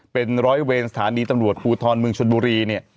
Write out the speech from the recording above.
เป็นร้อยเวรสถานีตำรวจภูทรเมืองชนบุรีเนี่ย